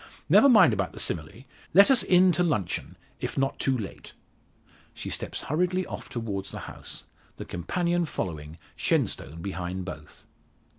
Never mind about the simile. Let us in to luncheon, if not too late." She steps hurriedly off towards the house, the companion following, Shenstone behind both.